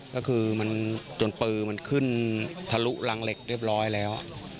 ก็คือมันจนปือมันขึ้นทะลุรังเหล็กเรียบร้อยแล้ว